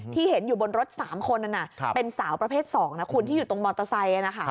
ที่เห็นอยู่บนรถ๓คนนั้นเป็นสาวประเภท๒นะคุณที่อยู่ตรงมอเตอร์ไซค์